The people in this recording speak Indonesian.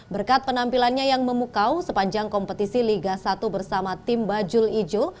berkat penampilannya yang memukau sepanjang kompetisi liga satu bersama tim bajul ijo